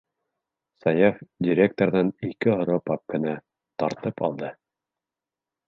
- Саяф директорҙан ике һоро папканы тартып алды.